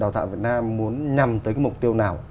đào tạo việt nam muốn nhằm tới cái mục tiêu nào